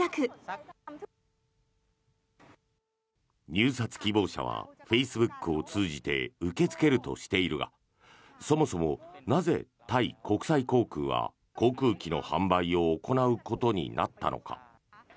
入札希望者はフェイスブックを通じて受け付けるとしているがそもそもなぜ、タイ国際航空は航空機の販売を行うことになったのか。